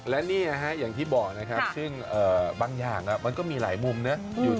และนี่นะฮะอย่างที่บอกนะครับซึ่งบางอย่างมันก็มีหลายมุมนะ